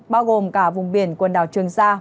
bao gồm cả vùng biển quần đảo trường sa